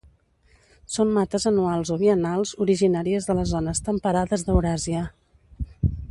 Són mates anuals o biennals originàries de les zones temperades d'Euràsia.